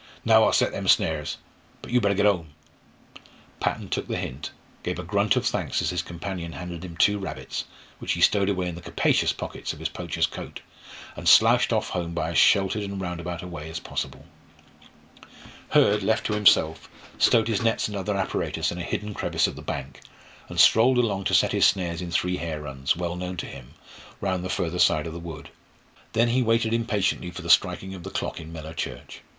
"Now I'll set them snares. But you'd better git home." Patton took the hint, gave a grunt of thanks as his companion handed him two rabbits, which he stowed away in the capacious pockets of his poacher's coat, and slouched off home by as sheltered and roundabout a way as possible. Hurd, left to himself, stowed his nets and other apparatus in a hidden crevice of the bank, and strolled along to set his snares in three hare runs, well known to him, round the further side of the wood. Then he waited impatiently for the striking of the clock in Mellor church.